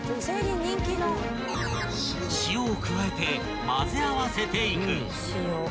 ［塩を加えて混ぜ合わせていく］